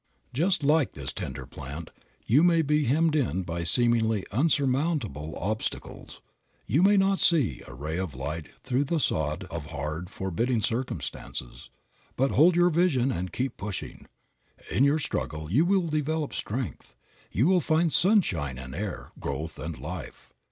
Just like this tender plant, you may be hemmed in by seemingly insurmountable obstacles; you may not see a ray of light through the sod of hard, forbidding circumstances, but hold your vision and keep pushing. In your struggle you will develop strength, you will find sunshine and air, growth and life.